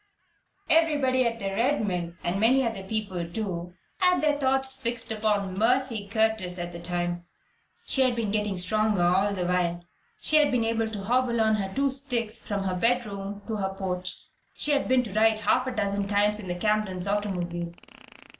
Everybody at the Red Mill and many other people, too had their thoughts fixed upon Mercy Curtis at this time. She had been getting stronger all the while. She had been able to hobble on her two sticks from her bedroom to the porch. She had been to ride half a dozen times in the Camerons' automobile.